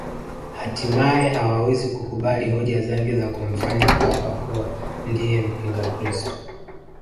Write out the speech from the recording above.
Hatimaye hawawezi kukubali hoja zake za kumfanya Papa kuwa ndiye mpingakristo